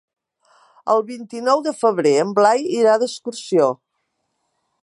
El vint-i-nou de febrer en Blai irà d'excursió.